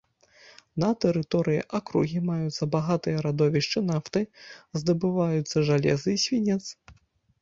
На тэрыторыі акругі маюцца багатыя радовішчы нафты, здабываюцца жалеза і свінец.